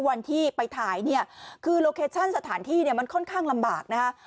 วันที่ไปถ่ายคือโลเคชั่นสถานที่มันค่อนข้างลำบากนะครับ